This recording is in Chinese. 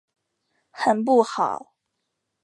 很不好！